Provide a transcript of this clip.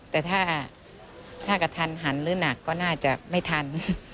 แต่ถ้ากระทันหันหรือหนักก็น่าจะไม่ทัน